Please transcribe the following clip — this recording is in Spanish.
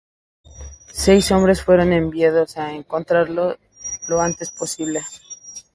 Seis hombres fueron enviados a encontrarlo lo antes posible.